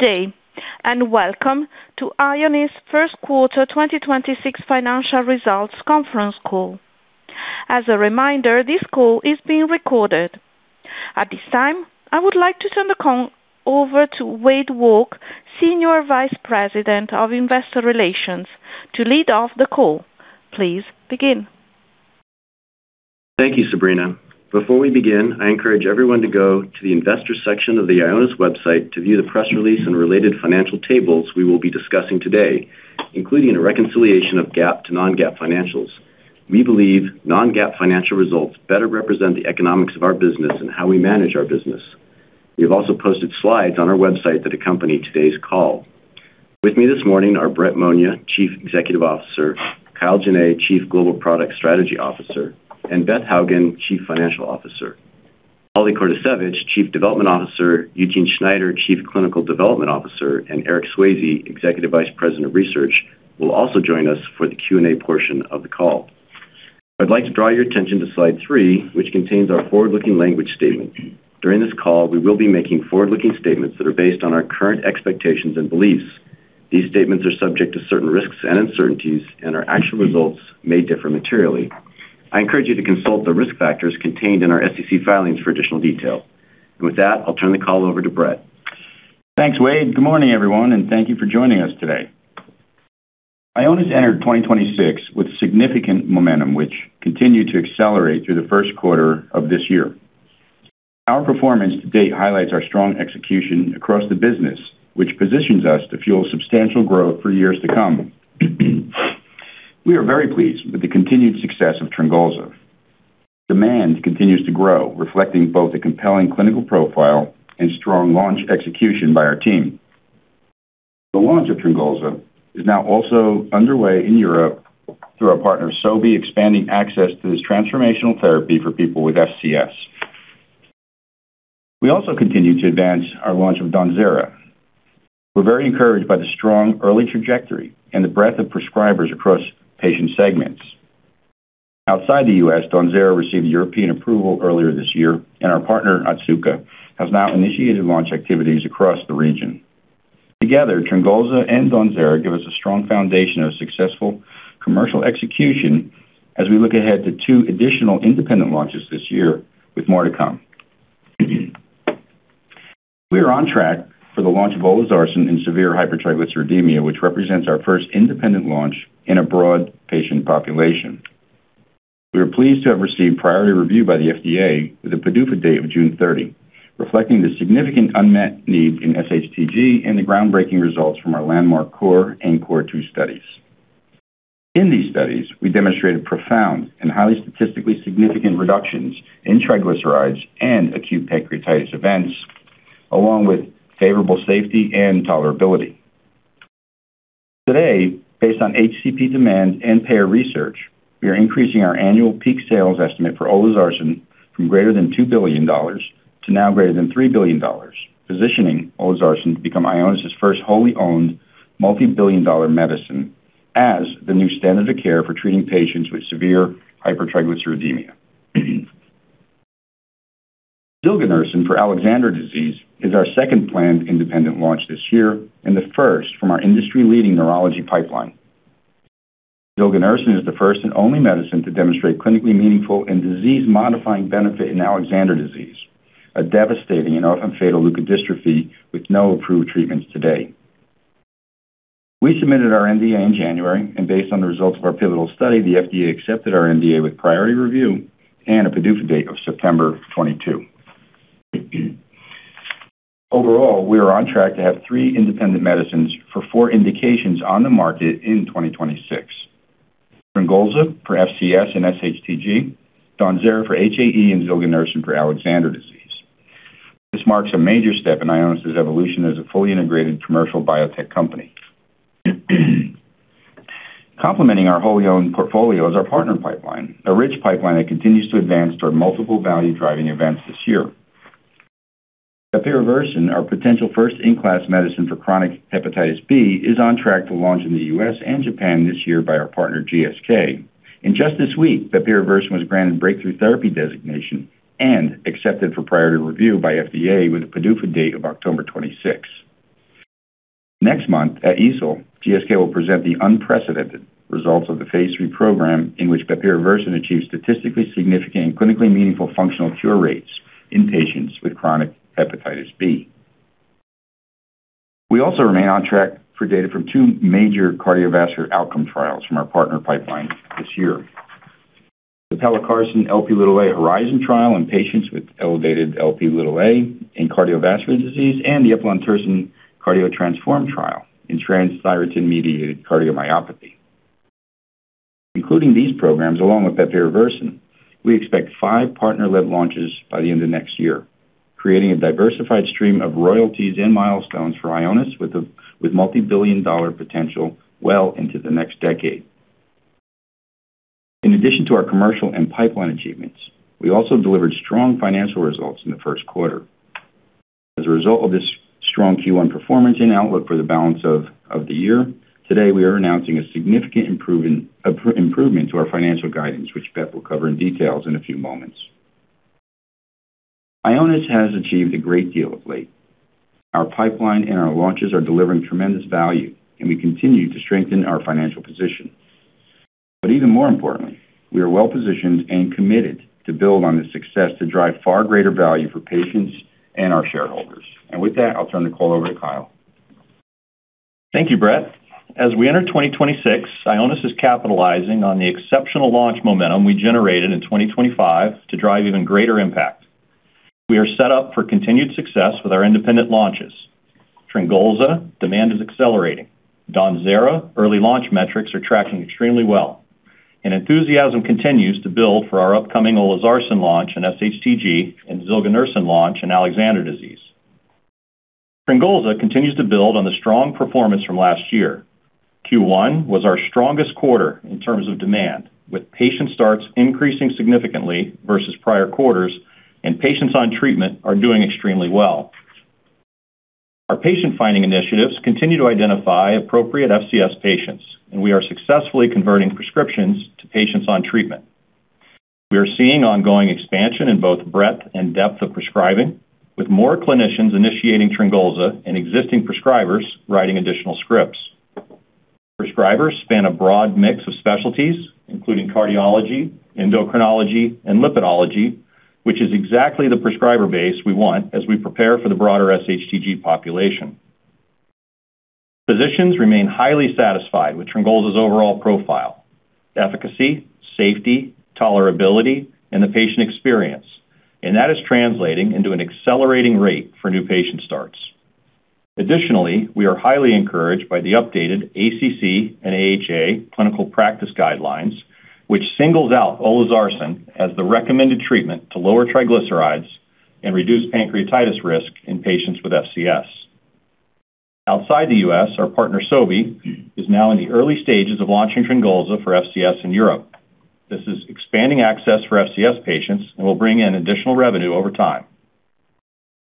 Good day, welcome to Ionis first quarter 2026 financial results conference call. As a reminder, this call is being recorded. At this time, I would like to turn over to Wade Walke, Senior Vice President of Investor Relations, to lead off the call. Please begin. Thank you, Sabrina. Before we begin, I encourage everyone to go to the investors section of the Ionis website to view the press release and related financial tables we will be discussing today, including a reconciliation of GAAP to non-GAAP financials. We believe non-GAAP financial results better represent the economics of our business and how we manage our business. We have also posted slides on our website that accompany today's call. With me this morning are Brett Monia, Chief Executive Officer; Kyle Jenne, Chief Global Product Strategy Officer; and Beth Hougen, Chief Financial Officer. Holly Kordasiewicz, Chief Development Officer; Eugene Schneider, Chief Clinical Development Officer; and Eric Swayze, Executive Vice President of Research, will also join us for the Q&A portion of the call. I'd like to draw your attention to slide three, which contains our forward-looking language statement. During this call, we will be making forward-looking statements that are based on our current expectations and beliefs. These statements are subject to certain risks and uncertainties, and our actual results may differ materially. I encourage you to consult the risk factors contained in our SEC filings for additional detail. With that, I'll turn the call over to Brett. Thanks, Wade. Good morning, everyone, and thank you for joining us today. Ionis entered 2026 with significant momentum, which continued to accelerate through the first quarter of this year. Our performance to date highlights our strong execution across the business, which positions us to fuel substantial growth for years to come. We are very pleased with the continued success of TRYNGOLZA. Demand continues to grow, reflecting both a compelling clinical profile and strong launch execution by our team. The launch of TRYNGOLZA is now also underway in Europe through our partner Sobi, expanding access to this transformational therapy for people with FCS. We also continue to advance our launch of DAWNZERA. We're very encouraged by the strong early trajectory and the breadth of prescribers across patient segments. Outside the U.S., DAWNZERA received European approval earlier this year, and our partner, Otsuka, has now initiated launch activities across the region. Together, TRYNGOLZA and DAWNZERA give us a strong foundation of successful commercial execution as we look ahead to two additional independent launches this year with more to come. We are on track for the launch of olezarsen in severe hypertriglyceridemia, which represents our first independent launch in a broad patient population. We are pleased to have received priority review by the FDA with a PDUFA date of June 30, reflecting the significant unmet need in sHTG and the groundbreaking results from our landmark CORE and CORE2 studies. In these studies, we demonstrated profound and highly statistically significant reductions in triglycerides and acute pancreatitis events, along with favorable safety and tolerability. Today, based on HCP demand and payer research, we are increasing our annual peak sales estimate for olezarsen from greater than $2 billion to now greater than $3 billion, positioning olezarsen to become Ionis' first wholly owned multibillion-dollar medicine as the new standard of care for treating patients with severe hypertriglyceridemia. Zilganersen for Alexander disease is our second planned independent launch this year and the first from our industry-leading neurology pipeline. Zilganersen is the first and only medicine to demonstrate clinically meaningful and disease-modifying benefit in Alexander disease, a devastating and often fatal leukodystrophy with no approved treatments today. We submitted our NDA in January, and based on the results of our pivotal study, the FDA accepted our NDA with priority review and a PDUFA date of September 22. Overall, we are on track to have three independent medicines for four indications on the market in 2026. TRYNGOLZA for FCS and sHTG, DAWNZERA for HAE, and zilganersen for Alexander disease. This marks a major step in Ionis' evolution as a fully integrated commercial biotech company. Complementing our wholly owned portfolio is our partner pipeline, a rich pipeline that continues to advance toward multiple value-driving events this year. Bepirovirsen, our potential first-in-class medicine for chronic hepatitis B, is on track to launch in the U.S. and Japan this year by our partner GSK. Just this week, bepirovirsen was granted breakthrough therapy designation and accepted for priority review by FDA with a PDUFA date of October 26. Next month at EASL, GSK will present the unprecedented results of the phase III program in which bepirovirsen achieved statistically significant and clinically meaningful functional cure rates in patients with chronic hepatitis B. We also remain on track for data from two major cardiovascular outcome trials from our partner pipeline this year. The pelacarsen Lp(a) HORIZON trial in patients with elevated Lp(a) and cardiovascular disease and the eplontersen CARDIO-TTRansform trial in transthyretin-mediated cardiomyopathy. Including these programs along with bepirovirsen, we expect five partner-led launches by the end of next year, creating a diversified stream of royalties and milestones for Ionis with multibillion-dollar potential well into the next decade. In addition to our commercial and pipeline achievements, we also delivered strong financial results in the first quarter. As a result of this strong Q1 performance and outlook for the balance of the year, today we are announcing a significant improvement to our financial guidance, which Beth will cover in details in a few moments. Ionis has achieved a great deal of late. Our pipeline and our launches are delivering tremendous value, and we continue to strengthen our financial position. Even more importantly, we are well-positioned and committed to build on this success to drive far greater value for patients and our shareholders. With that, I'll turn the call over to Kyle. Thank you, Brett. As we enter 2026, Ionis is capitalizing on the exceptional launch momentum we generated in 2025 to drive even greater impact. We are set up for continued success with our independent launches. TRYNGOLZA demand is accelerating. DAWNZERA early launch metrics are tracking extremely well, and enthusiasm continues to build for our upcoming olezarsen launch in sHTG and zilganersen launch in Alexander disease. TRYNGOLZA continues to build on the strong performance from last year. Q1 was our strongest quarter in terms of demand, with patient starts increasing significantly versus prior quarters and patients on treatment are doing extremely well. Our patient-finding initiatives continue to identify appropriate FCS patients, and we are successfully converting prescriptions to patients on treatment. We are seeing ongoing expansion in both breadth and depth of prescribing, with more clinicians initiating TRYNGOLZA and existing prescribers writing additional scripts. Prescribers span a broad mix of specialties, including cardiology, endocrinology, and lipidology, which is exactly the prescriber base we want as we prepare for the broader sHTG population. Physicians remain highly satisfied with TRYNGOLZA's overall profile, efficacy, safety, tolerability, and the patient experience. That is translating into an accelerating rate for new patient starts. Additionally, we are highly encouraged by the updated ACC and AHA clinical practice guidelines, which singles out olezarsen as the recommended treatment to lower triglycerides and reduce pancreatitis risk in patients with FCS. Outside the U.S., our partner, Sobi, is now in the early stages of launching TRYNGOLZA for FCS in Europe. This is expanding access for FCS patients and will bring in additional revenue over time.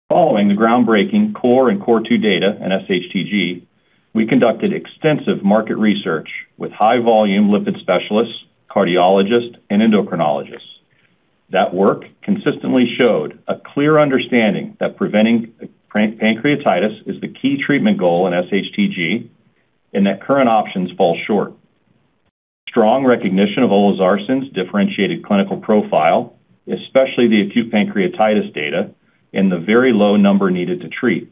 Following the groundbreaking CORE and CORE2 data in sHTG, we conducted extensive market research with high volume lipid specialists, cardiologists, and endocrinologists. That work consistently showed a clear understanding that preventing pancreatitis is the key treatment goal in sHTG and that current options fall short. Strong recognition of olezarsen's differentiated clinical profile, especially the acute pancreatitis data and the very low number needed to treat.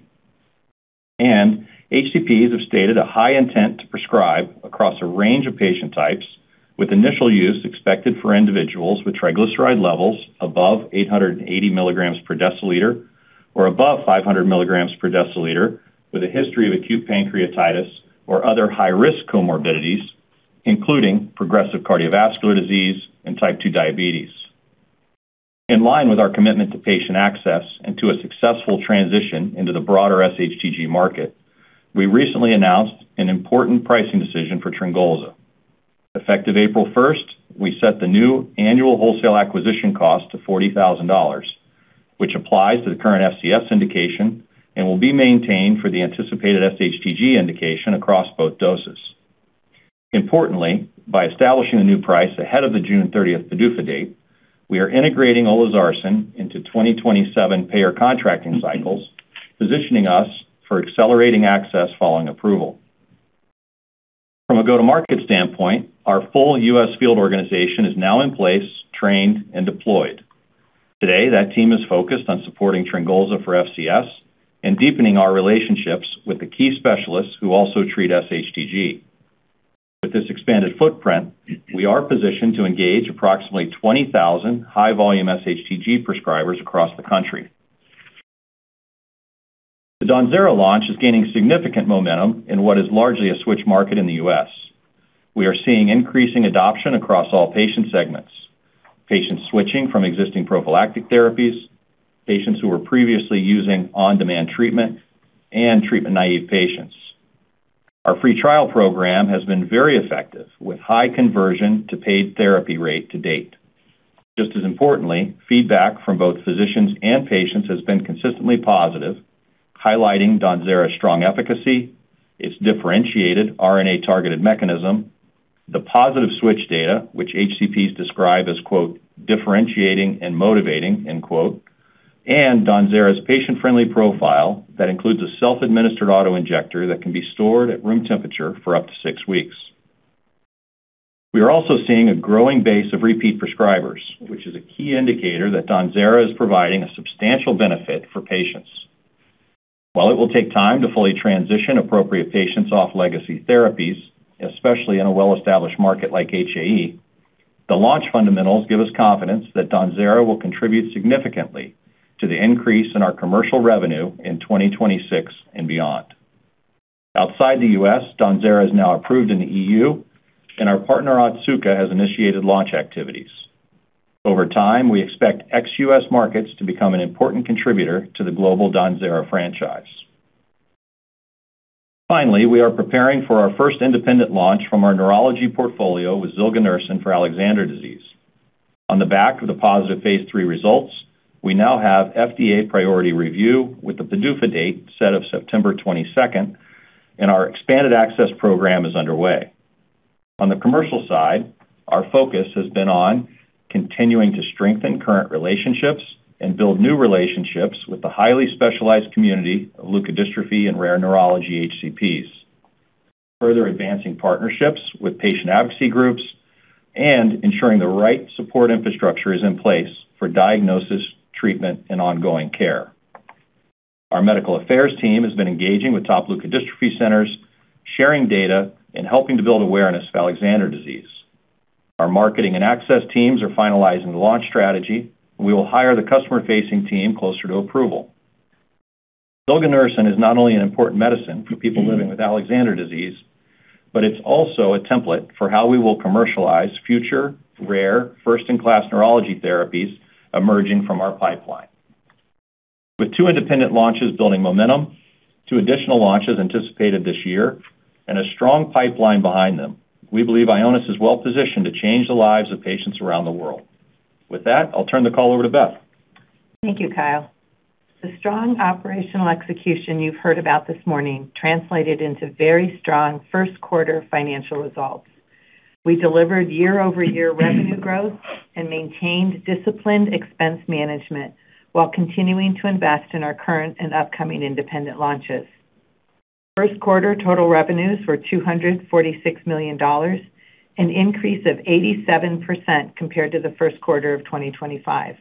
HCPs have stated a high intent to prescribe across a range of patient types with initial use expected for individuals with triglyceride levels above 880 mg/dL or above 500 mg/dL with a history of acute pancreatitis or other high-risk comorbidities, including progressive cardiovascular disease and Type 2 diabetes. In line with our commitment to patient access and to a successful transition into the broader sHTG market, we recently announced an important pricing decision for TRYNGOLZA. Effective April 1st, we set the new annual wholesale acquisition cost to $40,000, which applies to the current FCS indication and will be maintained for the anticipated sHTG indication across both doses. Importantly, by establishing a new price ahead of the June 30th PDUFA date, we are integrating olezarsen into 2027 payer contracting cycles, positioning us for accelerating access following approval. From a go-to-market standpoint, our full U.S. field organization is now in place, trained, and deployed. Today, that team is focused on supporting TRYNGOLZA for FCS and deepening our relationships with the key specialists who also treat sHTG. With this expanded footprint, we are positioned to engage approximately 20,000 high-volume sHTG prescribers across the country. The DAWNZERA launch is gaining significant momentum in what is largely a switch market in the U.S. We are seeing increasing adoption across all patient segments, patients switching from existing prophylactic therapies, patients who were previously using on-demand treatment, and treatment-naive patients. Our free trial program has been very effective, with high conversion to paid therapy rate to date. Just as importantly, feedback from both physicians and patients has been consistently positive, highlighting DAWNZERA's strong efficacy, its differentiated RNA-targeted mechanism, the positive switch data, which HCPs describe as "differentiating and motivating" and DAWNZERA's patient-friendly profile that includes a self-administered auto-injector that can be stored at room temperature for up to six weeks. We are also seeing a growing base of repeat prescribers, which is a key indicator that DAWNZERA is providing a substantial benefit for patients. While it will take time to fully transition appropriate patients off legacy therapies, especially in a well-established market like HAE, the launch fundamentals give us confidence that DAWNZERA will contribute significantly to the increase in our commercial revenue in 2026 and beyond. Outside the U.S., DAWNZERA is now approved in the EU, and our partner, Otsuka, has initiated launch activities. Over time, we expect ex-U.S. markets to become an important contributor to the global DAWNZERA franchise. Finally, we are preparing for our first independent launch from our neurology portfolio with zilganersen for Alexander disease. On the back of the positive phase III results, we now have FDA priority review with the PDUFA date set of September 22nd, and our expanded access program is underway. On the commercial side, our focus has been on continuing to strengthen current relationships and build new relationships with the highly specialized community of leukodystrophy and rare neurology HCPs, further advancing partnerships with patient advocacy groups and ensuring the right support infrastructure is in place for diagnosis, treatment, and ongoing care. Our medical affairs team has been engaging with top leukodystrophy centers, sharing data and helping to build awareness of Alexander disease. Our marketing and access teams are finalizing the launch strategy. We will hire the customer-facing team closer to approval. Zilganersen is not only an important medicine for people living with Alexander disease, but it's also a template for how we will commercialize future rare first-in-class neurology therapies emerging from our pipeline. With two independent launches building momentum, two additional launches anticipated this year, and a strong pipeline behind them, we believe Ionis is well-positioned to change the lives of patients around the world. With that, I'll turn the call over to Beth. Thank you, Kyle. The strong operational execution you've heard about this morning translated into very strong first quarter financial results. We delivered year-over-year revenue growth and maintained disciplined expense management while continuing to invest in our current and upcoming independent launches. First quarter total revenues were $246 million, an increase of 87% compared to the first quarter of 2025.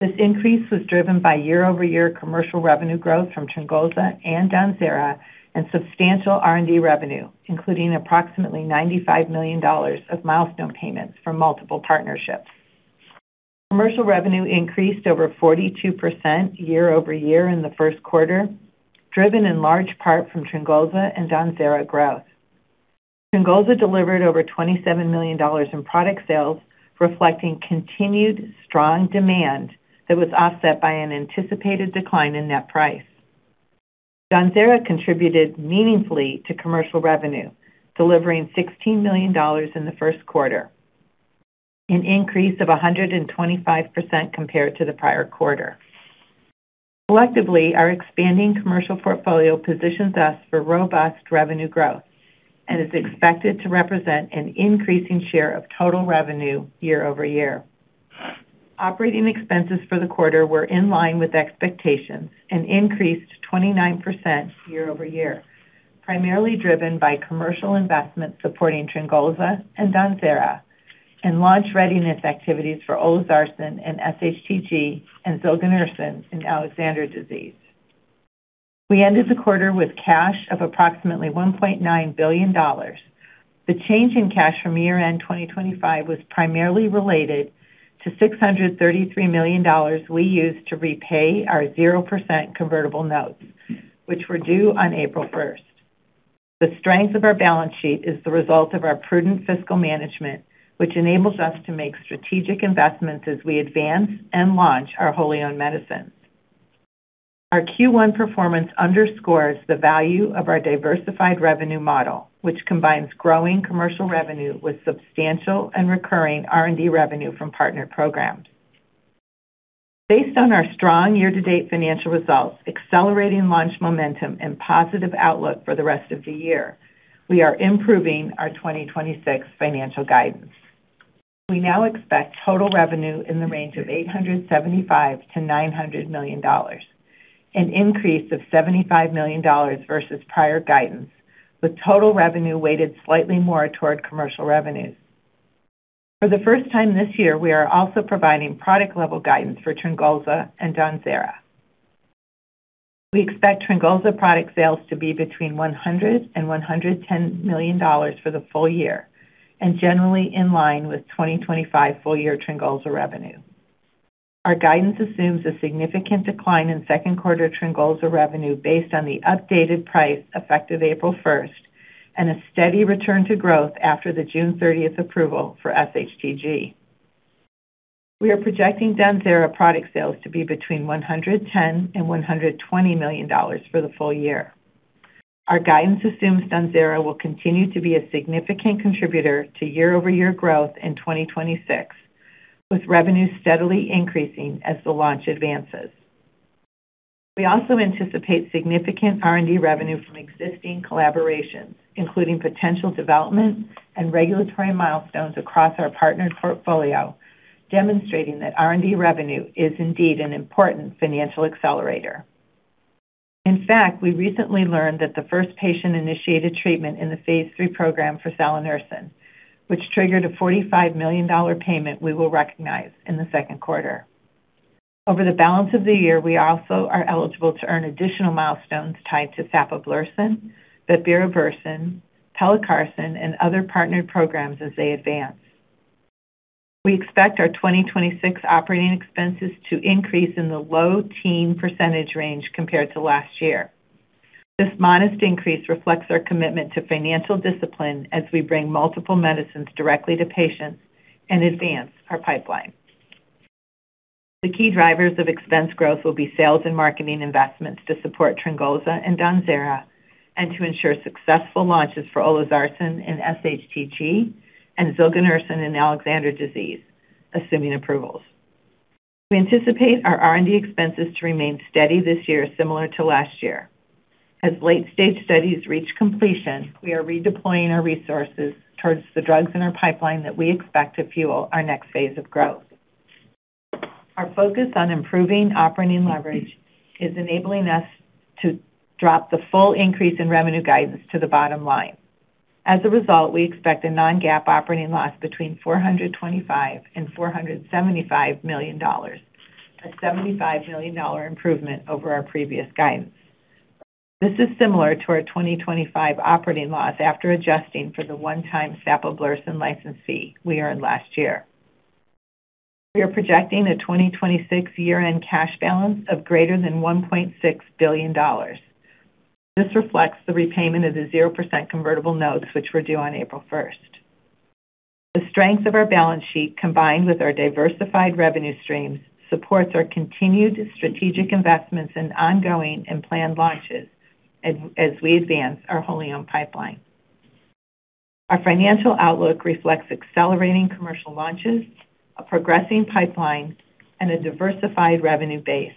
This increase was driven by year-over-year commercial revenue growth from TRYNGOLZA and DAWNZERA and substantial R&D revenue, including approximately $95 million of milestone payments from multiple partnerships. Commercial revenue increased over 42% year-over-year in the first quarter, driven in large part from TRYNGOLZA and DAWNZERA growth. TRYNGOLZA delivered over $27 million in product sales, reflecting continued strong demand that was offset by an anticipated decline in net price. DAWNZERA contributed meaningfully to commercial revenue, delivering $16 million in the first quarter, an increase of 125% compared to the prior quarter. Collectively, our expanding commercial portfolio positions us for robust revenue growth and is expected to represent an increasing share of total revenue year-over-year. Operating expenses for the quarter were in line with expectations and increased 29% year-over-year, primarily driven by commercial investments supporting TRYNGOLZA and DAWNZERA and launch readiness activities for olezarsen in sHTG and zilganersen in Alexander disease. We ended the quarter with cash of approximately $1.9 billion. The change in cash from year-end 2025 was primarily related to $633 million we used to repay our 0% convertible notes, which were due on April 1st. The strength of our balance sheet is the result of our prudent fiscal management, which enables us to make strategic investments as we advance and launch our wholly-owned medicines. Our Q1 performance underscores the value of our diversified revenue model, which combines growing commercial revenue with substantial and recurring R&D revenue from partner programs. Based on our strong year-to-date financial results, accelerating launch momentum and positive outlook for the rest of the year, we are improving our 2026 financial guidance. We now expect total revenue in the range of $875 million-$900 million, an increase of $75 million versus prior guidance, with total revenue weighted slightly more toward commercial revenues. For the first time this year, we are also providing product-level guidance for TRYNGOLZA and DAWNZERA. We expect TRYNGOLZA product sales to be between $100 million and $110 million for the full year and generally in line with 2025 full-year TRYNGOLZA revenue. Our guidance assumes a significant decline in second quarter TRYNGOLZA revenue based on the updated price effective April 1st and a steady return to growth after the June 30th approval for sHTG. We are projecting DAWNZERA product sales to be between $110 million and $120 million for the full year. Our guidance assumes DAWNZERA will continue to be a significant contributor to year-over-year growth in 2026, with revenue steadily increasing as the launch advances. We also anticipate significant R&D revenue from existing collaborations, including potential development and regulatory milestones across our partnered portfolio, demonstrating that R&D revenue is indeed an important financial accelerator. In fact, we recently learned that the first patient-initiated treatment in the phase III program for salanersen, which triggered a $45 million payment we will recognize in the second quarter. Over the balance of the year, we also are eligible to earn additional milestones tied to sapablursen, bepirovirsen, pelacarsen, and other partnered programs as they advance. We expect our 2026 operating expenses to increase in the low teen percentage range compared to last year. This modest increase reflects our commitment to financial discipline as we bring multiple medicines directly to patients and advance our pipeline. The key drivers of expense growth will be sales and marketing investments to support TRYNGOLZA and DAWNZERA and to ensure successful launches for olezarsen in sHTG and zilganersen in Alexander disease, assuming approvals. We anticipate our R&D expenses to remain steady this year, similar to last year. As late-stage studies reach completion, we are redeploying our resources towards the drugs in our pipeline that we expect to fuel our next phase of growth. Our focus on improving operating leverage is enabling us to drop the full increase in revenue guidance to the bottom line. As a result, we expect a non-GAAP operating loss between $425 million and $475 million, a $75 million improvement over our previous guidance. This is similar to our 2025 operating loss after adjusting for the one-time sapablursen license fee we earned last year. We are projecting a 2026 year-end cash balance of greater than $1.6 billion. This reflects the repayment of the 0% convertible notes, which were due on April 1st. The strength of our balance sheet, combined with our diversified revenue streams, supports our continued strategic investments in ongoing and planned launches as we advance our wholly-owned pipeline. Our financial outlook reflects accelerating commercial launches, a progressing pipeline, and a diversified revenue base,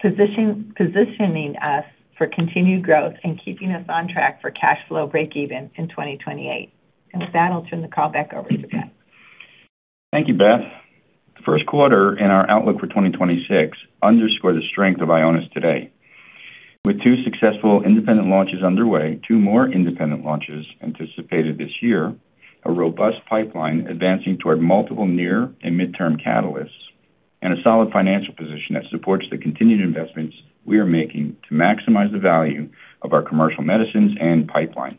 positioning us for continued growth and keeping us on track for cash flow breakeven in 2028. With that, I'll turn the call back over to Brett. Thank you, Beth. The first quarter and our outlook for 2026 underscore the strength of Ionis today. With two successful independent launches underway, two more independent launches anticipated this year, a robust pipeline advancing toward multiple near and midterm catalysts, and a solid financial position that supports the continued investments we are making to maximize the value of our commercial medicines and pipeline.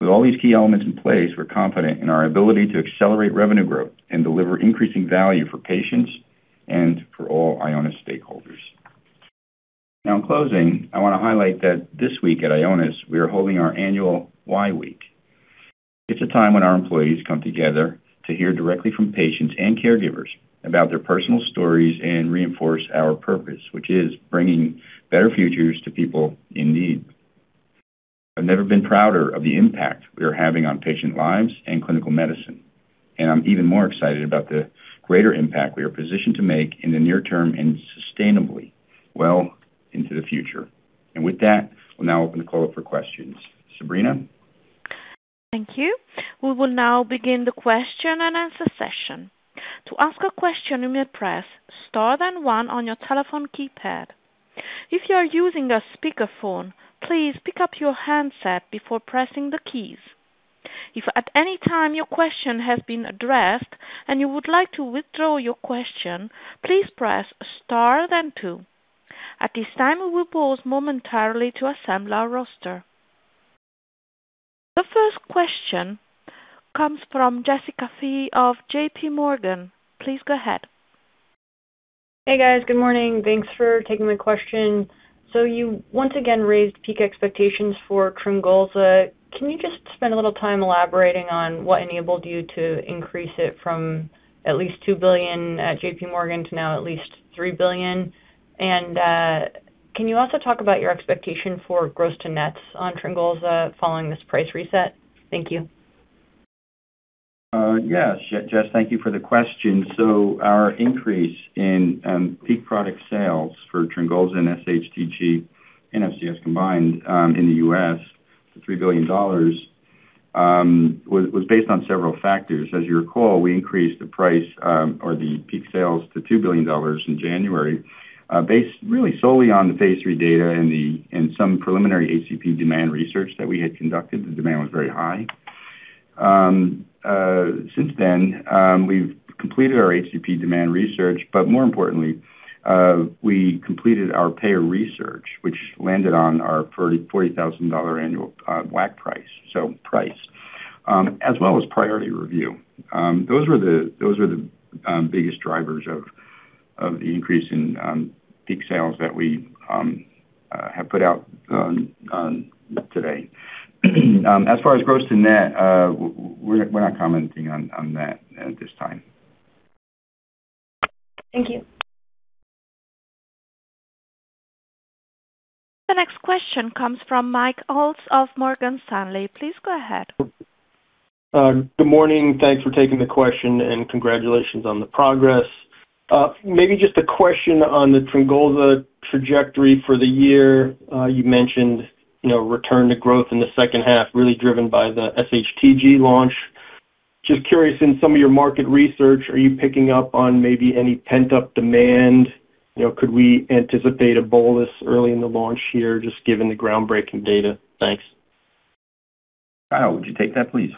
With all these key elements in place, we're confident in our ability to accelerate revenue growth and deliver increasing value for patients and for all Ionis stakeholders. In closing, I wanna highlight that this week at Ionis, we are holding our annual Why Week. It's a time when our employees come together to hear directly from patients and caregivers about their personal stories and reinforce our purpose, which is bringing better futures to people in need. I've never been prouder of the impact we are having on patient lives and clinical medicine, and I'm even more excited about the greater impact we are positioned to make in the near-term and sustainably well into the future. With that, we'll now open the call up for questions. Sabrina? Thank you. We will now begin the question-and-answer session. To ask a question, you may press star then one on your telephone keypad. If you are using a speakerphone, please pick up your handset before pressing the keys. If at any time your question has been addressed and you would like to withdraw your question, please press star then two. At this time, we will pause momentarily to assemble our roster. The first question comes from Jessica Fye of JPMorgan. Please go ahead. Hey, guys. Good morning. Thanks for taking my question. You once again raised peak expectations for TRYNGOLZA. Can you just spend a little time elaborating on what enabled you to increase it from at least $2 billion at JPMorgan to now at least $3 billion? Can you also talk about your expectation for gross to nets on TRYNGOLZA following this price reset? Thank you. Yes. Jess, thank you for the question. Our increase in peak product sales for TRYNGOLZA and sHTG and FCS combined in the U.S. to $3 billion was based on several factors. As you recall, we increased the price, or the peak sales to $2 billion in January, based really solely on the phase III data and some preliminary HCP demand research that we had conducted. The demand was very high. Since then, we've completed our HCP demand research, but more importantly, we completed our payer research, which landed on our $40,000 annual WAC price. Price, as well as priority review. Those were the biggest drivers of the increase in peak sales that we have put out today. As far as gross to net, we're not commenting on that at this time. Thank you. The next question comes from Mike Ulz of Morgan Stanley. Please go ahead. Good morning. Thanks for taking the question, and congratulations on the progress. Maybe just a question on the TRYNGOLZA trajectory for the year. You mentioned, you know, return to growth in the second half, really driven by the sHTG launch. Just curious, in some of your market research, are you picking up on maybe any pent-up demand? You know, could we anticipate a bolus early in the launch year, just given the groundbreaking data? Thanks. Kyle, would you take that, please?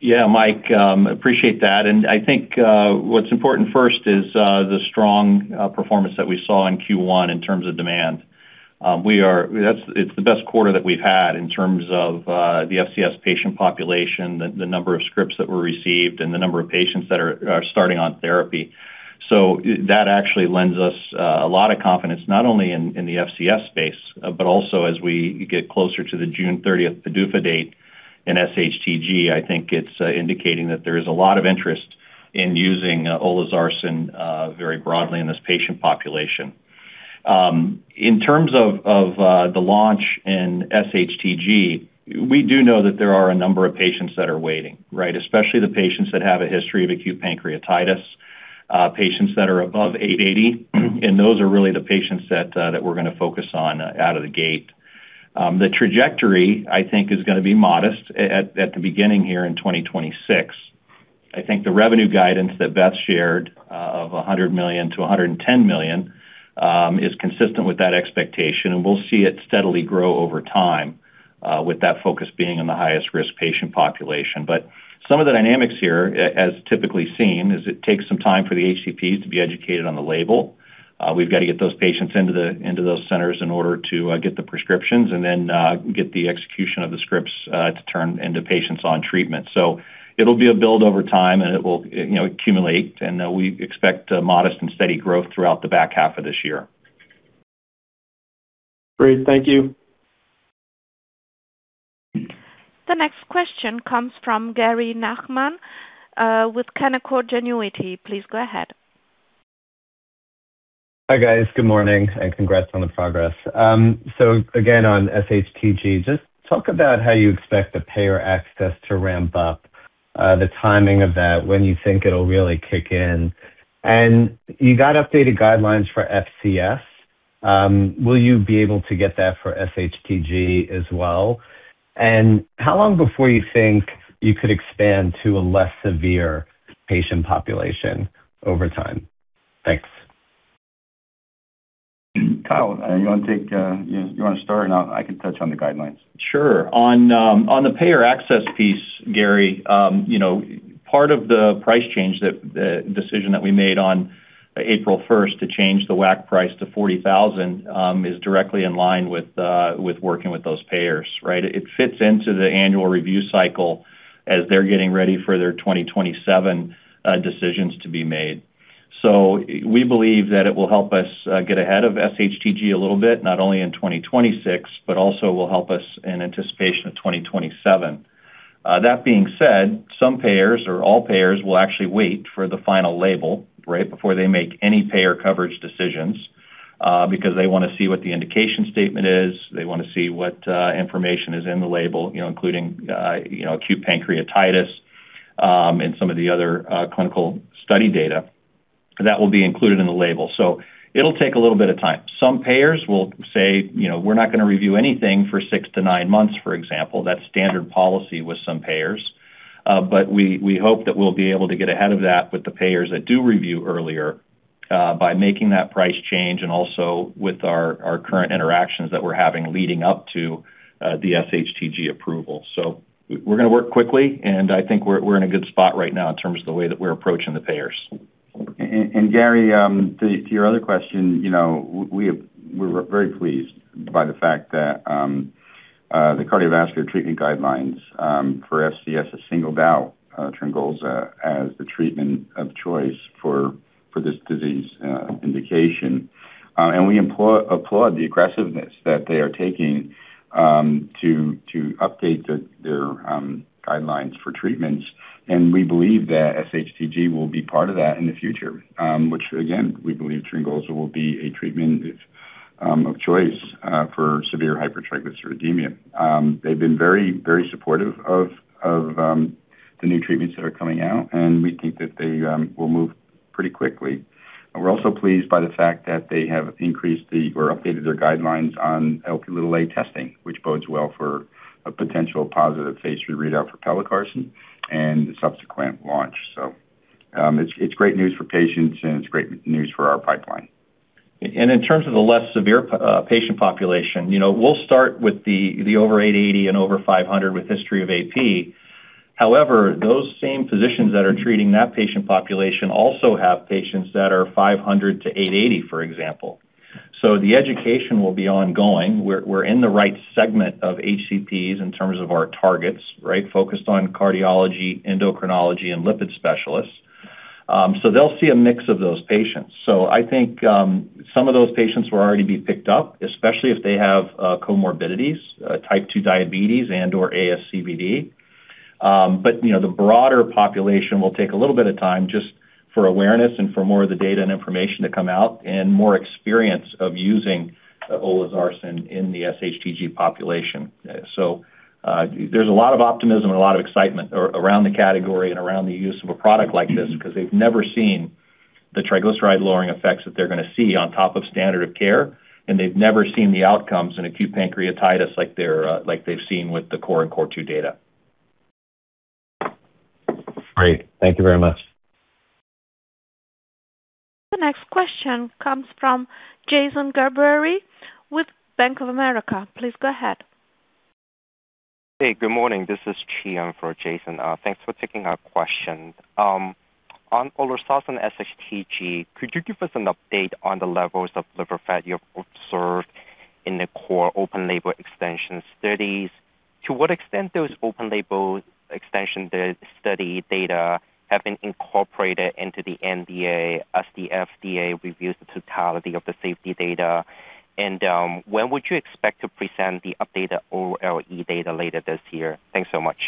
Yeah, Mike, appreciate that. I think what's important first is the strong performance that we saw in Q1 in terms of demand. It's the best quarter that we've had in terms of the FCS patient population, the number of scripts that were received, and the number of patients that are starting on therapy. That actually lends us a lot of confidence, not only in the FCS space, but also as we get closer to the June 30th PDUFA date in sHTG. I think it's indicating that there is a lot of interest in using olezarsen very broadly in this patient population. In terms of the launch in sHTG, we do know that there are a number of patients that are waiting, right? Especially the patients that have a history of acute pancreatitis, patients that are above 880 mg/dL, those are really the patients that we're gonna focus on out of the gate. The trajectory, I think, is gonna be modest at the beginning here in 2026. I think the revenue guidance that Beth shared, of $100 million-$110 million, is consistent with that expectation, we'll see it steadily grow over time with that focus being on the highest risk patient population. Some of the dynamics here, as typically seen, is it takes some time for the HCPs to be educated on the label. We've got to get those patients into those centers in order to get the prescriptions and then get the execution of the scripts to turn into patients on treatment. It'll be a build over time, and it will, you know, accumulate. We expect a modest and steady growth throughout the back half of this year. Great. Thank you. The next question comes from Gary Nachman, with Canaccord Genuity. Please go ahead. Hi, guys. Good morning and congrats on the progress. Again, on sHTG, just talk about how you expect the payer access to ramp up, the timing of that, when you think it'll really kick in. You got updated guidelines for FCS. Will you be able to get that for sHTG as well? How long before you think you could expand to a less severe patient population over time? Thanks. Kyle, you wanna take, you wanna start? I can touch on the guidelines. Sure. On, on the payer access piece, Gary, you know, part of the price change that decision that we made on April 1st to change the WAC price to $40,000 is directly in line with working with those payers, right? It fits into the annual review cycle as they're getting ready for their 2027 decisions to be made. We believe that it will help us get ahead of sHTG a little bit, not only in 2026, but also will help us in anticipation of 2027. That being said, some payers or all payers will actually wait for the final label, right, before they make any payer coverage decisions, because they wanna see what the indication statement is. They wanna see what information is in the label, you know, including, you know, acute pancreatitis, and some of the other clinical study data that will be included in the label. It'll take a little bit of time. Some payers will say, you know, "We're not gonna review anything for six to nine months," for example. That's standard policy with some payers. We hope that we'll be able to get ahead of that with the payers that do review earlier, by making that price change and also with our current interactions that we're having leading up to the sHTG approval. We're gonna work quickly, and I think we're in a good spot right now in terms of the way that we're approaching the payers. Gary, to your other question, you know, we're very pleased by the fact that the cardiovascular treatment guidelines for FCS has singled out TRYNGOLZA as the treatment of choice for this disease indication. we applaud the aggressiveness that they are taking to update their guidelines for treatments. we believe that sHTG will be part of that in the future, which again, we believe TRYNGOLZA will be a treatment of choice for severe hypertriglyceridemia. They've been very supportive of the new treatments that are coming out, and we think that they will move pretty quickly. We're also pleased by the fact that they have increased or updated their guidelines on Lp(a) testing, which bodes well for a potential positive phase III readout for pelacarsen and the subsequent launch. It's great news for patients, and it's great news for our pipeline. In terms of the less severe patient population, you know, we'll start with the over 880 mg/dL and over 500 mg/dL with history of AP. However, those same physicians that are treating that patient population also have patients that are 500-880 mg/dL, for example. The education will be ongoing. We're in the right segment of HCPs in terms of our targets, right? Focused on cardiology, endocrinology, and lipid specialists. They'll see a mix of those patients. I think some of those patients will already be picked up, especially if they have comorbidities, Type 2 diabetes and/or ASCVD. You know, the broader population will take a little bit of time just for awareness and for more of the data and information to come out and more experience of using olezarsen in the sHTG population. There's a lot of optimism and a lot of excitement around the category and around the use of a product like this because they've never seen the triglyceride-lowering effects that they're gonna see on top of standard of care, and they've never seen the outcomes in acute pancreatitis like they're, like they've seen with the CORE and CORE2 data. Great. Thank you very much. The next question comes from Jason Gerberry with Bank of America. Please go ahead. Hey, good morning. This is Chi on for Jason. Thanks for taking our question. On olezarsen sHTG, could you give us an update on the levels of liver fat you have observed in the CORE open-label extension studies? To what extent those open-label extension study data have been incorporated into the NDA as the FDA reviews the totality of the safety data? When would you expect to present the updated OLE data later this year? Thanks so much.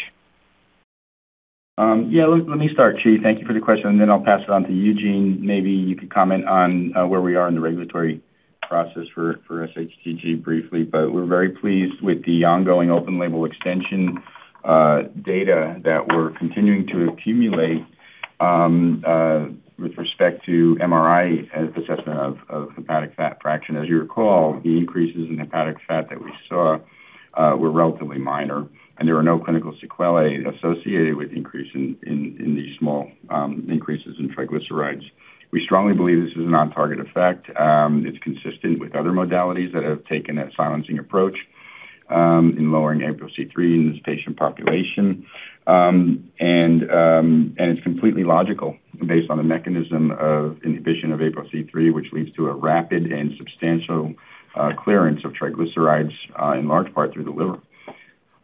Yeah, let me start, Chi. Thank you for the question, then I'll pass it on to Eugene. Maybe you could comment on where we are in the regulatory process for sHTG briefly. We're very pleased with the ongoing open-label extension data that we're continuing to accumulate with respect to MRI as assessment of hepatic fat fraction. As you recall, the increases in hepatic fat that we saw were relatively minor, there were no clinical sequelae associated with increase in the small increases in triglycerides. We strongly believe this is a non-target effect. It's consistent with other modalities that have taken that silencing approach in lowering ApoC-III in this patient population. It's completely logical based on the mechanism of inhibition of ApoC-III, which leads to a rapid and substantial clearance of triglycerides in large part through the liver.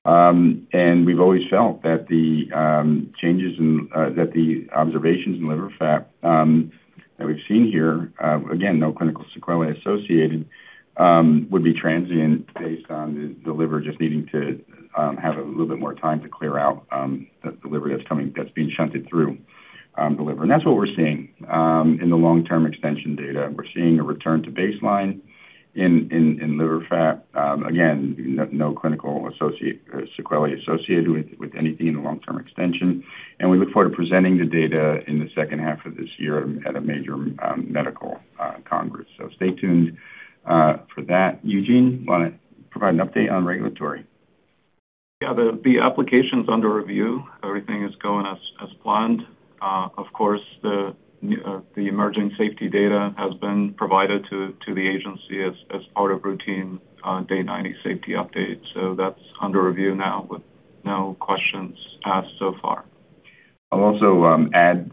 We've always felt that the observations in liver fat that we've seen here, again, no clinical sequelae associated, would be transient based on the liver just needing to have a little bit more time to clear out the liver that's being shunted through the liver. That's what we're seeing in the long-term extension data. We're seeing a return to baseline in liver fat. Again, no clinical associate sequelae associated with anything in the long-term extension. We look forward to presenting the data in the second half of this year at a major, medical, congress. Stay tuned for that. Eugene, you wanna provide an update on regulatory? Yeah. The application's under review. Everything is going as planned. Of course, the emerging safety data has been provided to the agency as part of routine day 90 safety updates. That's under review now with no questions asked so far. I'll also add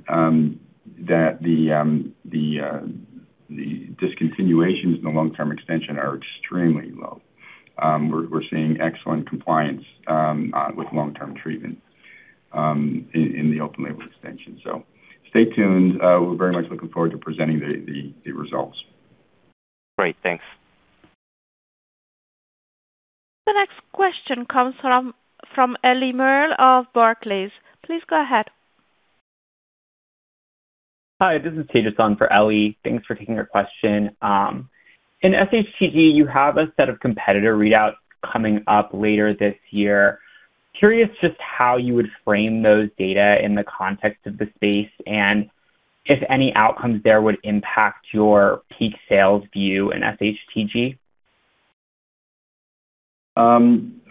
that the discontinuations in the long-term extension are extremely low. We're seeing excellent compliance with long-term treatment in the open-label extension. Stay tuned. We're very much looking forward to presenting the results. Great. Thanks. The next question comes from Ellie Merle of Barclays. Please go ahead. Hi, this is Tejas on for Ellie. Thanks for taking our question. In sHTG, you have a set of competitor readouts coming up later this year. Curious just how you would frame those data in the context of the space and if any outcomes there would impact your peak sales view in sHTG.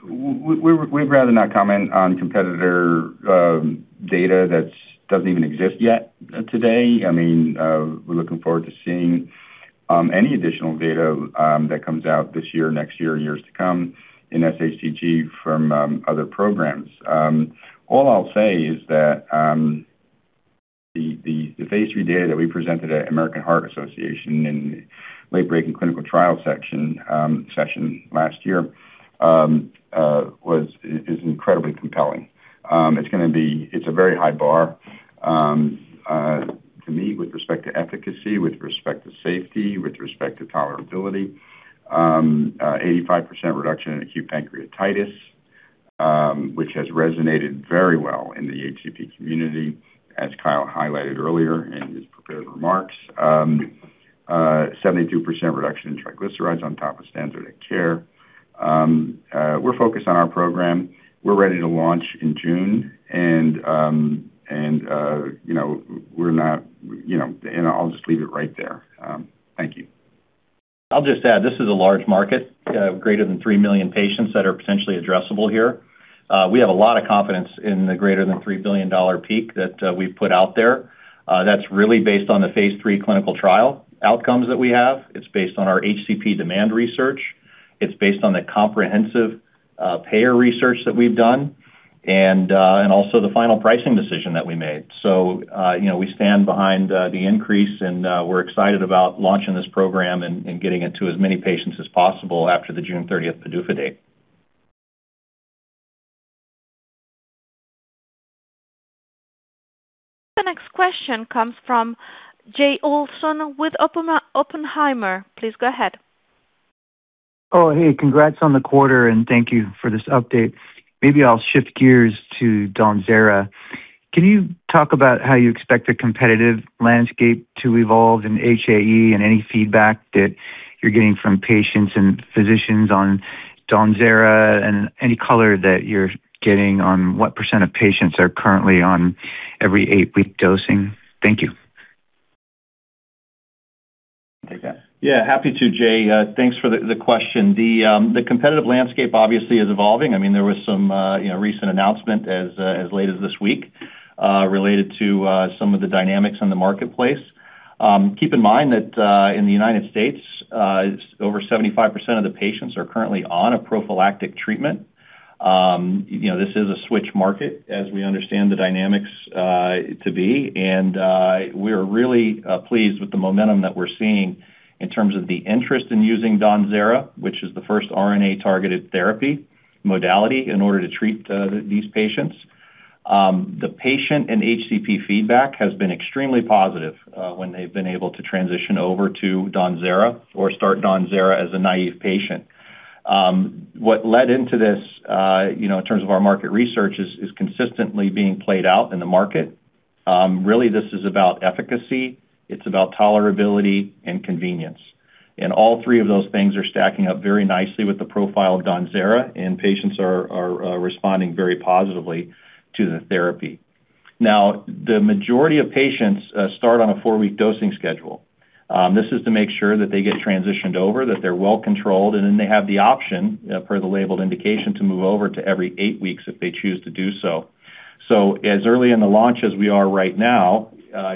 We'd rather not comment on competitor data that's doesn't even exist yet today. I mean, we're looking forward to seeing any additional data that comes out this year, next year, and years to come in sHTG from other programs. All I'll say is that the phase III data that we presented at American Heart Association in late-breaking clinical trial session last year is incredibly compelling. It's a very high bar to me with respect to efficacy, with respect to safety, with respect to tolerability. 85% reduction in acute pancreatitis, which has resonated very well in the HCP community as Kyle highlighted earlier in his prepared remarks. 72% reduction in triglycerides on top of standard of care. We're focused on our program. We're ready to launch in June. You know, we're not, you know. I'll just leave it right there. Thank you. I'll just add, this is a large market, greater than 3 million patients that are potentially addressable here. We have a lot of confidence in the greater than $3 billion peak that we've put out there. That's really based on the phase III clinical trial outcomes that we have. It's based on our HCP demand research. It's based on the comprehensive, payer research that we've done and also the final pricing decision that we made. You know, we stand behind the increase, and we're excited about launching this program and getting it to as many patients as possible after the June 30 PDUFA date. The next question comes from Jay Olson with Oppenheimer. Please go ahead. Oh, hey. Congrats on the quarter, and thank you for this update. Maybe I'll shift gears to DAWNZERA. Can you talk about how you expect the competitive landscape to evolve in HAE and any feedback that you're getting from patients and physicians on DAWNZERA and any color that you're getting on what percent of patients are currently on every eight-week dosing? Thank you. Take that. Yeah, happy to, Jay. Thanks for the question. The competitive landscape obviously is evolving. I mean, there was some, you know, recent announcement as late as this week related to some of the dynamics in the marketplace. Keep in mind that in the United States, over 75% of the patients are currently on a prophylactic treatment. You know, this is a switch market as we understand the dynamics to be. We are really pleased with the momentum that we're seeing in terms of the interest in using DAWNZERA, which is the first RNA-targeted therapy modality in order to treat these patients. The patient and HCP feedback has been extremely positive when they've been able to transition over to DAWNZERA or start DAWNZERA as a naive patient. What led into this, you know, in terms of our market research is consistently being played out in the market. Really this is about efficacy, it's about tolerability and convenience. All three of those things are stacking up very nicely with the profile of DAWNZERA, and patients are responding very positively to the therapy. Now, the majority of patients start on a four-week dosing schedule. This is to make sure that they get transitioned over, that they're well-controlled, and then they have the option, per the labeled indication, to move over to every eight weeks if they choose to do so. As early in the launch as we are right now,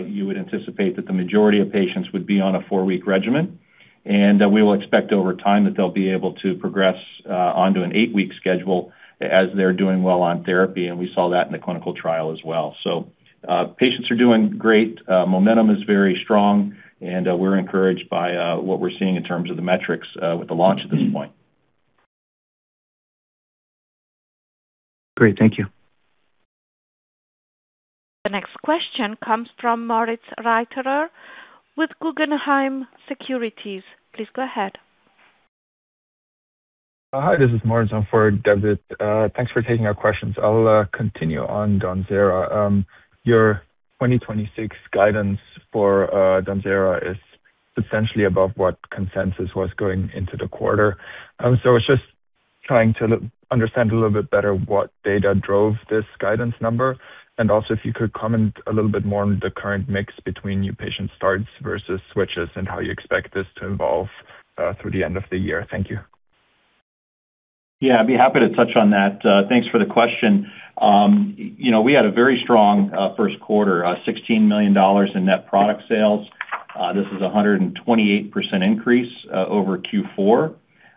you would anticipate that the majority of patients would be on a four-week regimen. We will expect over time that they'll be able to progress onto an eight-week schedule as they're doing well on therapy, and we saw that in the clinical trial as well. Patients are doing great, momentum is very strong, and we're encouraged by what we're seeing in terms of the metrics with the launch at this point. Great. Thank you. The next question comes from Moritz Reiterer with Guggenheim Securities. Please go ahead. Hi, this is Moritz on for Debjit. Thanks for taking our questions. I'll continue on DAWNZERA. Your 2026 guidance for DAWNZERA is substantially above what consensus was going into the quarter. I was just trying to understand a little bit better what data drove this guidance number. Also if you could comment a little bit more on the current mix between new patient starts versus switches, and how you expect this to evolve through the end of the year. Thank you. Yeah, I'd be happy to touch on that. Thanks for the question. You know, we had a very strong first quarter, $16 million in net product sales. This is a 128% increase over Q4.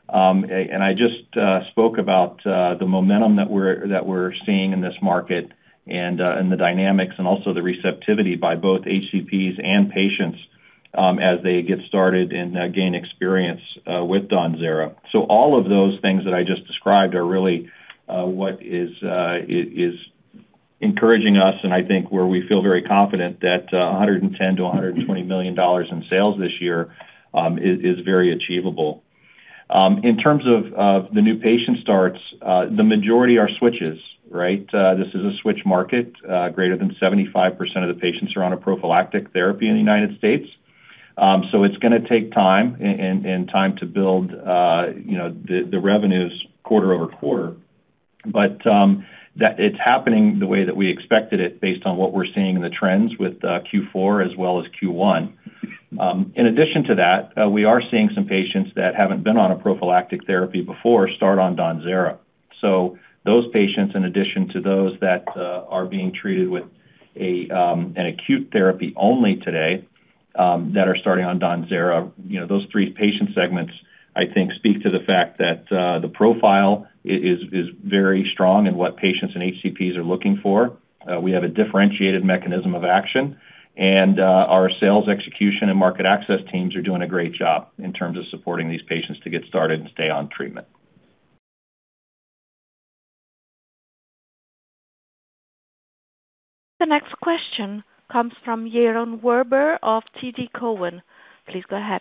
And I just spoke about the momentum that we're seeing in this market and the dynamics and also the receptivity by both HCPs and patients as they get started and gain experience with DAWNZERA. All of those things that I just described are really what is encouraging us and I think where we feel very confident that $110 million-$120 million in sales this year is very achievable. In terms of the new patient starts, the majority are switches, right. This is a switch market. Greater than 75% of the patients are on a prophylactic therapy in the United States. So it's gonna take time and time to build, you know, the revenues quarter-over-quarter. That it's happening the way that we expected it based on what we're seeing in the trends with Q4 as well as Q1. In addition to that, we are seeing some patients that haven't been on a prophylactic therapy before start on DAWNZERA. Those patients, in addition to those that are being treated with an acute therapy only today, that are starting on DAWNZERA. You know, those three patient segments I think speak to the fact that, the profile is very strong in what patients and HCPs are looking for. We have a differentiated mechanism of action, and our sales execution and market access teams are doing a great job in terms of supporting these patients to get started and stay on treatment. The next question comes from Yaron Werber of TD Cowen. Please go ahead.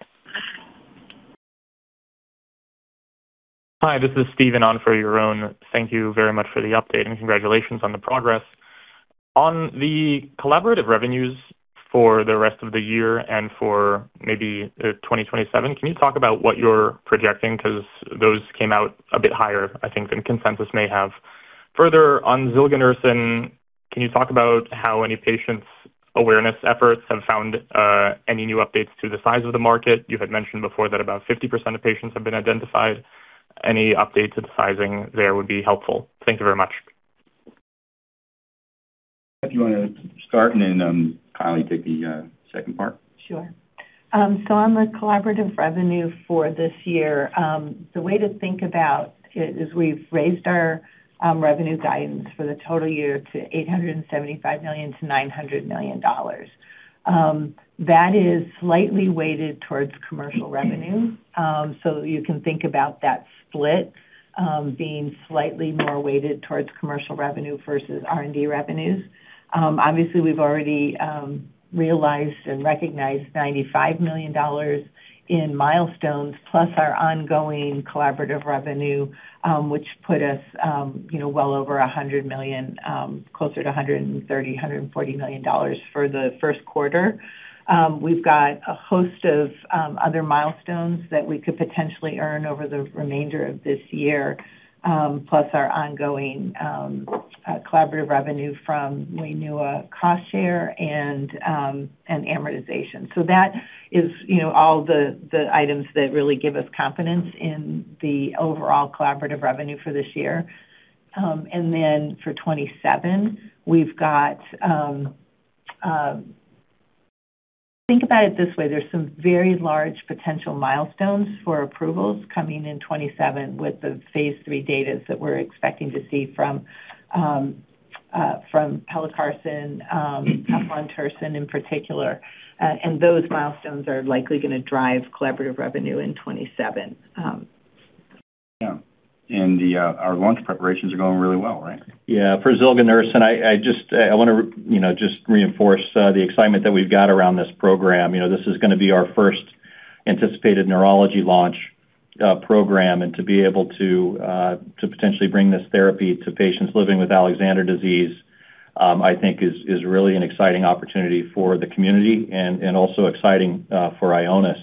Hi, this is Steve, and on for Yaron. Thank you very much for the update, and congratulations on the progress. On the collaborative revenues for the rest of the year and for maybe 2027, can you talk about what you're projecting? 'Cause those came out a bit higher, I think, than consensus may have. Further on zilganersen, can you talk about how any patients' awareness efforts have found any new updates to the size of the market? You had mentioned before that about 50% of patients have been identified. Any update to the sizing there would be helpful. Thank you very much. If you wanna start and then, Kyle take the second part. Sure. On the collaborative revenue for this year, the way to think about it is we've raised our revenue guidance for the total year to $875 million-$900 million. That is slightly weighted towards commercial revenue. You can think about that split being slightly more weighted towards commercial revenue versus R&D revenues. Obviously, we've already realized and recognized $95 million in milestones, plus our ongoing collaborative revenue, which put us, you know, well over $100 million, closer to $130 million, $140 million for the first quarter. We've got a host of other milestones that we could potentially earn over the remainder of this year, plus our ongoing collaborative revenue from Waylivra cost share and amortization. That is, you know, all the items that really give us confidence in the overall collaborative revenue for this year. For 2027, we've got, think about it this way, there's some very large potential milestones for approvals coming in 2027 with the phase III data that we're expecting to see from pelacarsen, eplontersen in particular. Those milestones are likely gonna drive collaborative revenue in 2027. Yeah. The, our launch preparations are going really well, right? Yeah. For zilganersen, I just, I want to, you know, just reinforce the excitement that we've got around this program. You know, this is gonna be our first anticipated neurology launch program. To be able to potentially bring this therapy to patients living with Alexander disease, I think is really an exciting opportunity for the community and also exciting for Ionis.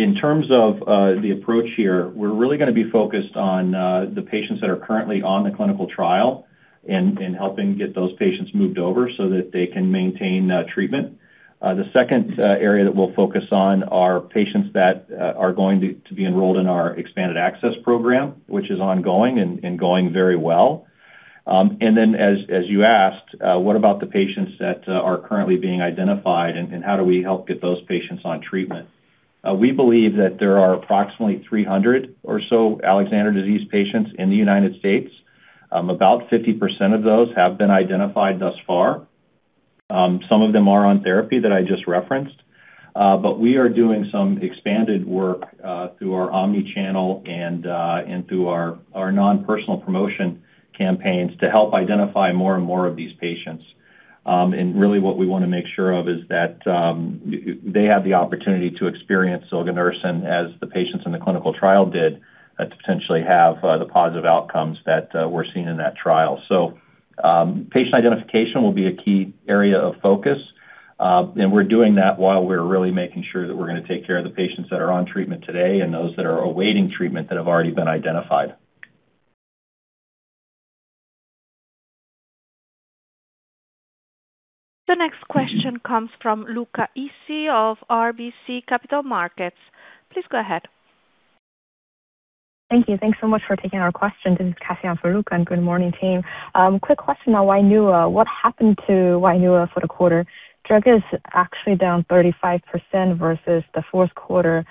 In terms of the approach here, we're really gonna be focused on the patients that are currently on the clinical trial and helping get those patients moved over so that they can maintain treatment. The second area that we'll focus on are patients that are going to be enrolled in our expanded access program, which is ongoing and going very well. As, as you asked, what about the patients that are currently being identified and how do we help get those patients on treatment? We believe that there are approximately 300 or so Alexander disease patients in the United States. About 50% of those have been identified thus far. Some of them are on therapy that I just referenced. But we are doing some expanded work through our omni-channel and through our non-personal promotion campaigns to help identify more and more of these patients. Really what we want to make sure of is that they have the opportunity to experience zilganersen as the patients in the clinical trial did to potentially have the positive outcomes that were seen in that trial. Patient identification will be a key area of focus, and we're doing that while we're really making sure that we're gonna take care of the patients that are on treatment today and those that are awaiting treatment that have already been identified. The next question comes from Luca Issi of RBC Capital Markets. Please go ahead. Thank you. Thanks so much for taking our questions. This is Kasian for Luca. Good morning, team. Quick question on WAINUA. What happened to WAINUA for the quarter? Drug is actually down 35% versus the fourth quarter.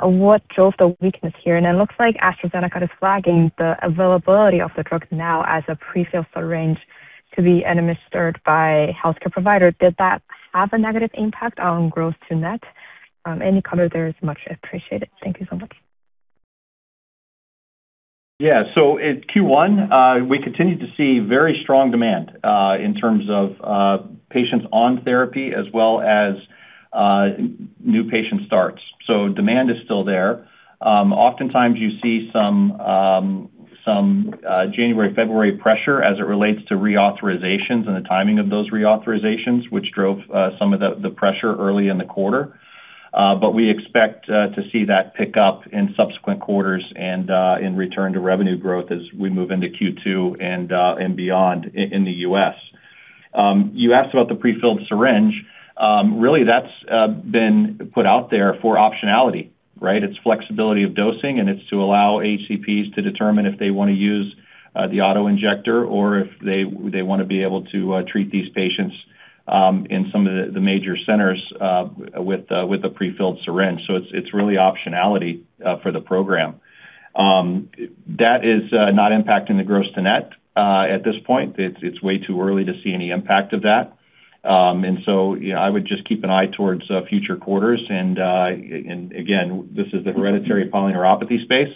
What drove the weakness here? It looks like AstraZeneca is flagging the availability of the drug now as a prefilled syringe to be administered by healthcare provider. Did that have a negative impact on growth to net? Any color there is much appreciated. Thank you so much. At Q1, we continued to see very strong demand in terms of patients on therapy as well as new patient starts. Demand is still there. Oftentimes you see some January, February pressure as it relates to reauthorizations and the timing of those reauthorizations, which drove some of the pressure early in the quarter. We expect to see that pick up in subsequent quarters and in return to revenue growth as we move into Q2 and beyond in the U.S. You asked about the prefilled syringe. Really that's been put out there for optionality, right? It's flexibility of dosing, and it's to allow HCPs to determine if they want to use the auto-injector or if they want to be able to treat these patients in some of the major centers with a prefilled syringe. It's really optionality for the program. That is not impacting the gross to net at this point. It's way too early to see any impact of that. You know, I would just keep an eye towards future quarters. Again, this is the hereditary polyneuropathy space.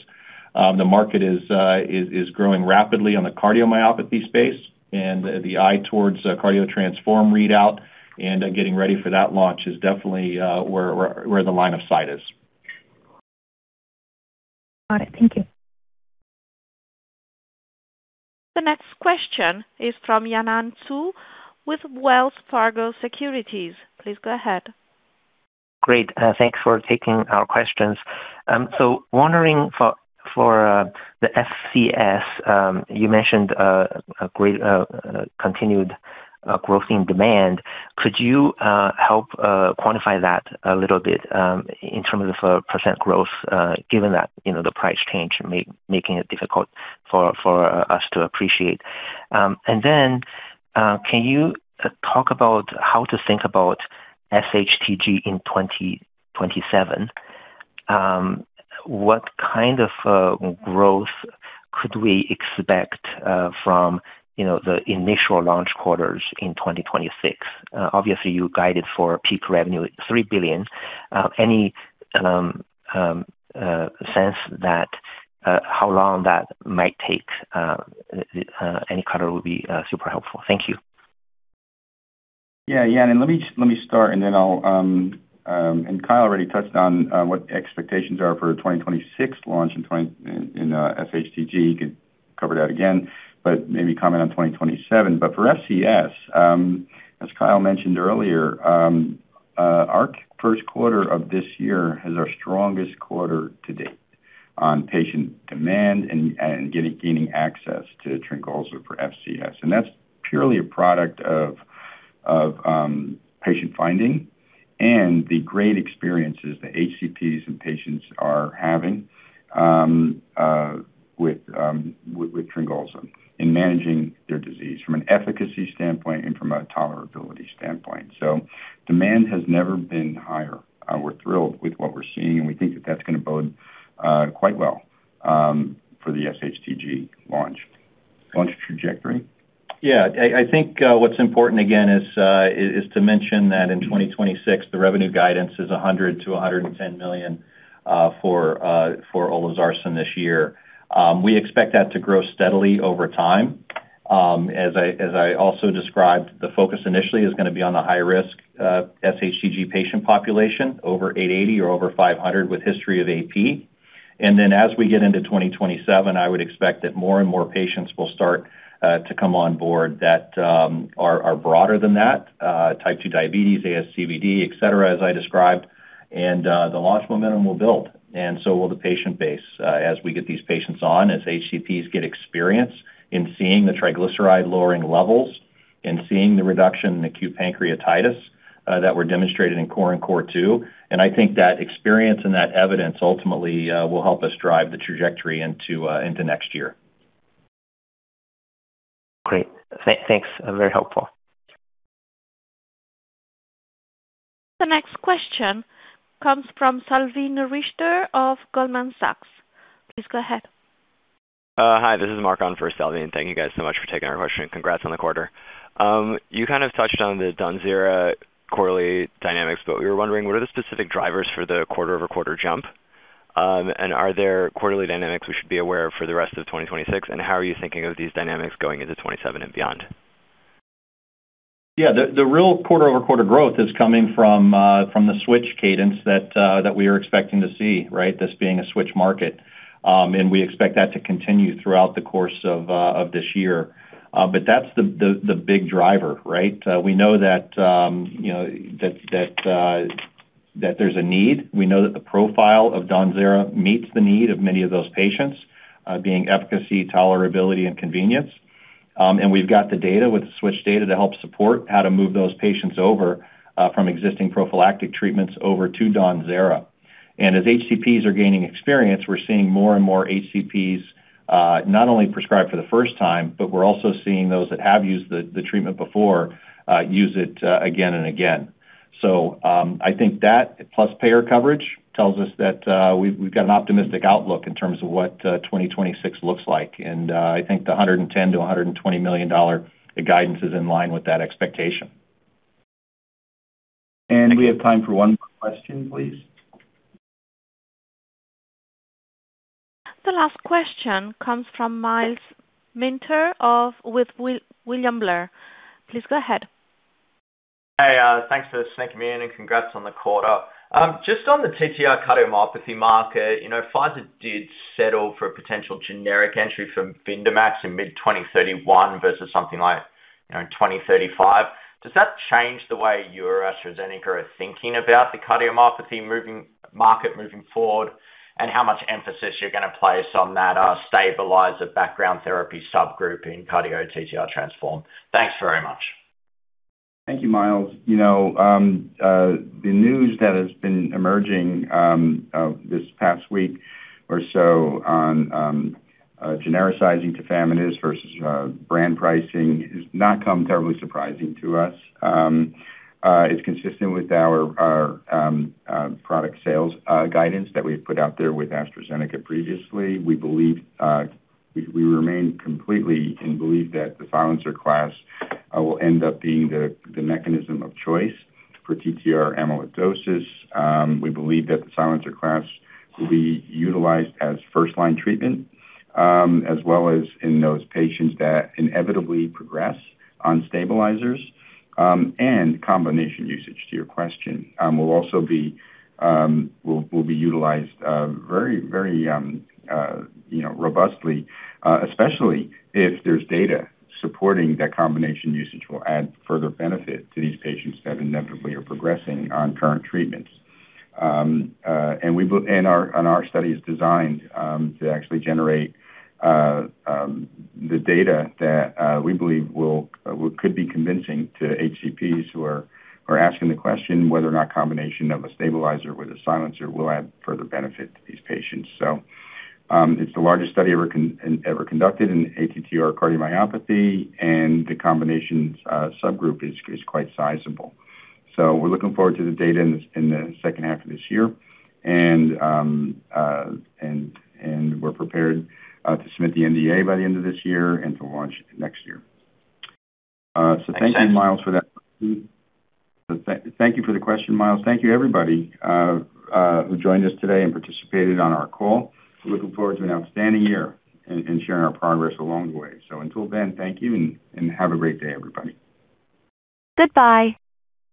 The market is growing rapidly on the cardiomyopathy space and the eye towards CARDIO-TTRansform readout and getting ready for that launch is definitely where the line of sight is. Got it. Thank you. The next question is from Yanan Zhu with Wells Fargo Securities. Please go ahead. Great. Thanks for taking our questions. Wondering for the FCS, you mentioned a great continued growth in demand. Could you help quantify that a little bit in terms of percent growth, given that, you know, the price change making it difficult for us to appreciate? And then, can you talk about how to think about sHTG in 2027? What kind of growth could we expect from, you know, the initial launch quarters in 2026? Obviously, you guided for peak revenue at $3 billion. Any sense that how long that might take? Any color would be super helpful. Thank you. Yeah. Yanan, let me start, and then I'll. Kyle already touched on what expectations are for 2026 launch in sHTG. He could cover that again, maybe comment on 2027. For FCS, as Kyle mentioned earlier, our first quarter of this year is our strongest quarter to date on patient demand and gaining access to TRYNGOLZA for FCS. That's purely a product of patient finding and the great experiences the HCPs and patients are having with TRYNGOLZA in managing their disease from an efficacy standpoint and from a tolerability standpoint. Demand has never been higher. We're thrilled with what we're seeing, and we think that that's gonna bode quite well for the sHTG launch. Launch trajectory? Yeah, I think what's important again is to mention that in 2026, the revenue guidance is $100 million-$110 million for olezarsen this year. We expect that to grow steadily over time. As I also described, the focus initially is gonna be on the high risk sHTG patient population over 880 mg/dL or over 500 mg/dL with history of AP. As we get into 2027, I would expect that more and more patients will start to come on board that are broader than that, Type 2 diabetes, ASCVD, et cetera, as I described. The launch momentum will build, and so will the patient base. As we get these patients on, as HCPs get experience in seeing the triglyceride-lowering levels and seeing the reduction in acute pancreatitis, that were demonstrated in CORE and CORE2. I think that experience and that evidence ultimately, will help us drive the trajectory into next year. Great. Thanks. Very helpful. The next question comes from Salveen Richter of Goldman Sachs. Please go ahead. Hi, this is Mark on for Salveen. Thank you guys so much for taking our question. Congrats on the quarter. You kind of touched on the DAWNZERA quarterly dynamics. We were wondering, what are the specific drivers for the quarter-over-quarter jump? Are there quarterly dynamics we should be aware of for the rest of 2026? How are you thinking of these dynamics going into 2027 and beyond? Yeah, the real quarter-over-quarter growth is coming from the switch cadence that we are expecting to see, right? This being a switch market. We expect that to continue throughout the course of this year. That's the big driver, right? We know that, you know, that there's a need. We know that the profile of DAWNZERA meets the need of many of those patients, being efficacy, tolerability and convenience. We've got the data with the switch data to help support how to move those patients over from existing prophylactic treatments over to DAWNZERA. As HCPs are gaining experience, we're seeing more and more HCPs not only prescribe for the first time, but we're also seeing those that have used the treatment before use it again and again. I think that plus payer coverage tells us that we've got an optimistic outlook in terms of what 2026 looks like. I think the $110 million-$120 million guidance is in line with that expectation. We have time for one more question, please. The last question comes from Myles Minter with William Blair. Please go ahead. Hey, thanks for sending me in and congrats on the quarter. Just on the TTR cardiomyopathy market, you know, Pfizer did settle for a potential generic entry from VYNDAMAX in mid-2031 versus something like, you know, in 2035. Does that change the way you or AstraZeneca are thinking about the cardiomyopathy market moving forward? How much emphasis you're gonna place on that stabilizer background therapy subgroup in CARDIO-TTRansform? Thanks very much. Thank you, Myles. You know, the news that has been emerging this past week or so on genericizing tafamidis versus brand pricing has not come terribly surprising to us. It's consistent with our product sales guidance that we've put out there with AstraZeneca previously. We believe, we remain completely and believe that the silencer class will end up being the mechanism of choice for TTR amyloidosis. We believe that the silencer class will be utilized as first-line treatment, as well as in those patients that inevitably progress on stabilizers. Combination usage, to your question, will also be utilized very, very, you know, robustly, especially if there's data supporting that combination usage will add further benefit to these patients that inevitably are progressing on current treatments. Our study is designed to actually generate the data that we believe could be convincing to HCPs who are asking the question whether or not combination of a stabilizer with a silencer will add further benefit to these patients. It's the largest study ever conducted in ATTR cardiomyopathy, and the combination subgroup is quite sizable. We're looking forward to the data in the second half of this year. We're prepared to submit the NDA by the end of this year and to launch next year. Thank you, Myles, for that. Thank you for the question, Myles. Thank you everybody who joined us today and participated on our call. We're looking forward to an outstanding year and sharing our progress along the way. Until then, thank you and have a great day, everybody. Goodbye.